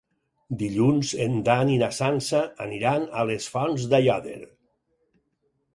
Dilluns en Dan i na Sança aniran a les Fonts d'Aiòder.